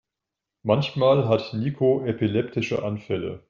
Manchmal hat Niko epileptische Anfälle.